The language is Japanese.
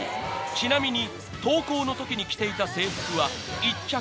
［ちなみに登校のときに着ていた制服は１着